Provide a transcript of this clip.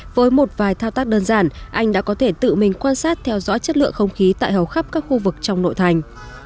với một vài thao tác đơn giản anh đã có thể tự mình quan sát theo dõi chất lượng không khí tại hầu khắp các khu vực trong nội thành